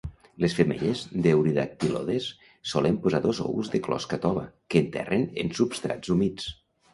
Les femelles "Eurydactylodes" solen posar dos ous de closca tova, que enterren en substrats humits.